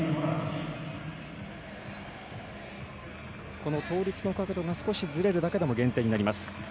この倒立の角度が少しずれるだけでも減点になります。